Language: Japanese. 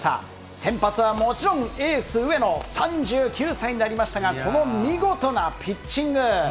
先発はもちろん、エース、上野、３９歳になりましたが、この見事なピッチング。